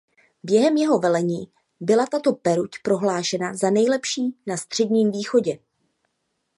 Během jeho velení byla tato peruť prohlášena za nejlepší na Středním Východě.